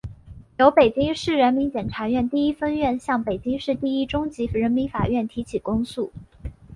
由北京市人民检察院第一分院向北京市第一中级人民法院提起公诉